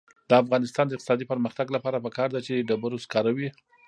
د افغانستان د اقتصادي پرمختګ لپاره پکار ده چې ډبرو سکاره وي.